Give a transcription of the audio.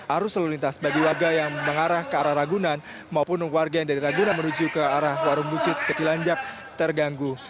arus lalu lintas bagi warga yang mengarah ke arah ragunan maupun warga yang dari ragunan menuju ke arah warung buncit kecilanjak terganggu